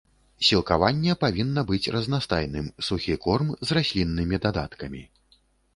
Сілкаванне павінна быць разнастайным, сухі корм з расліннымі дадаткамі.